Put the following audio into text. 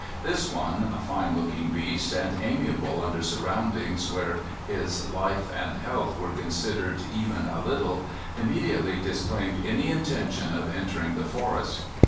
This one, a fine looking beast, and amiable under surroundings where his life and health were considered even a little, immediately disclaimed any intention of entering the forest.